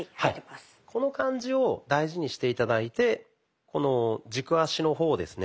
この感じを大事にして頂いてこの軸足の方をですね